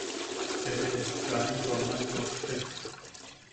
–Eʼe, Kaa into aman nottek.